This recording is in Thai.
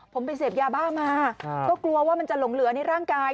ผมไปเสพยาบ้ามาก็กลัวว่ามันจะหลงเหลือในร่างกาย